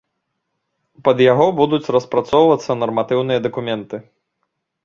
Пад яго будуць распрацоўвацца нарматыўныя дакументы.